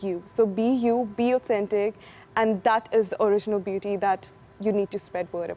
jadi jadi anda jadi otentik dan itu adalah keindahan asal yang anda perlu berbagi